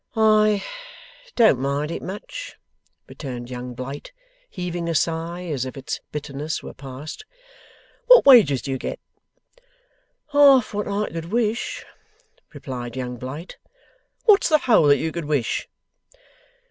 'I don't mind it much,' returned Young Blight, heaving a sigh, as if its bitterness were past. 'What wages do you get?' 'Half what I could wish,' replied young Blight. 'What's the whole that you could wish?